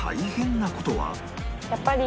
やっぱり。